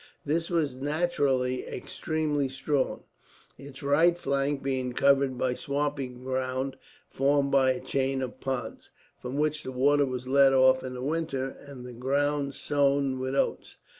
This was naturally extremely strong, its right flank being covered by swampy ground formed by a chain of ponds; from which the water was let off in the winter, and the ground sown with oats.